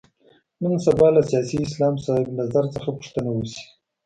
نن سبا له سیاسي اسلام صاحب نظر څخه پوښتنه وشي.